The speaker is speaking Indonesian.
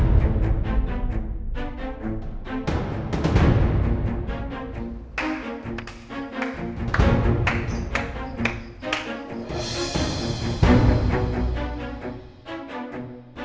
saya juga pengen menjaga diri saya sendiri